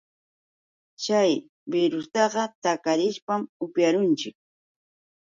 Chay birrustaqa takarishpa upyarunchik.